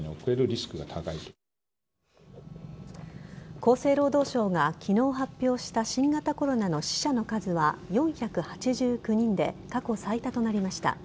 厚生労働省が昨日発表した新型コロナの死者の数は４８９人で過去最多となりました。